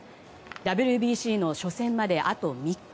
ＷＢＣの初戦まであと３日。